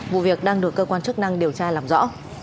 vụ việc đang được cơ quan chức năng điều tra làm rõ